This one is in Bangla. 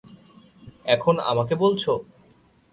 এখন আমাকে বলছ?